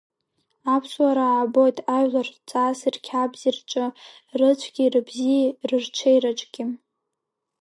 Аԥсуара аабоит ажәлар рҵаси рқьабзи рҿы, рыцәгьеи рыбзиеи рырҽеираҿгьы.